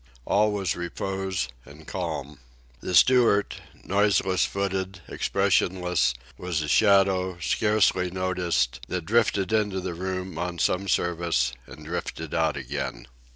All was repose and calm. The steward, noiseless footed, expressionless, was a shadow, scarcely noticed, that drifted into the room on some service and drifted out again.